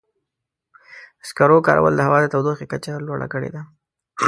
د سکرو کارول د هوا د تودوخې کچه لوړه کړې ده.